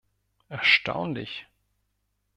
Erstaunlich!